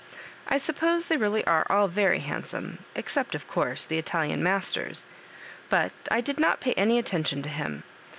I suppose they really are all very handsome— except, of course, the Italian masters ; but I did not pay any attention to him.